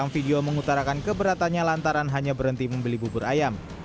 video mengutarakan keberatannya lantaran hanya berhenti membeli bubur ayam